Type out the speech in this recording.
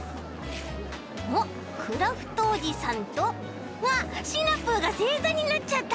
おっクラフトおじさんとわっシナプーがせいざになっちゃった。